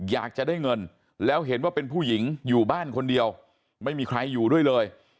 อยากจะได้เงินแล้วเห็นว่าเป็นผู้หญิงอยู่บ้านคนเดียวไม่มีใครอยู่ด้วยเลย